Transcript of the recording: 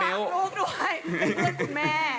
ลูกด้วยเพื่อนคุณแม่